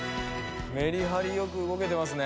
メリハリよく動けてますね。